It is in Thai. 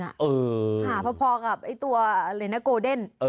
หาพอกับตัวเรน่าโกเด้น